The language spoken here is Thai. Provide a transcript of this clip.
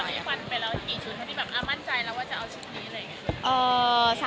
มันเป็นกี่ชุดแล้วนะเอิ่มมั่นใจมันจะเอาชุดนี้เลย